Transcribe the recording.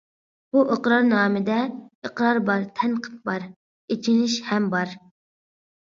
بۇ ئىقرارنامىدە ئىقرار بار، تەنقىد بار، ئېچىنىش ھەم بار.